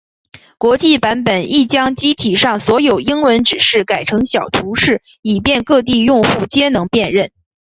国际版本亦将机体上所有英文指示改成小图示以便各地用户皆能辨认。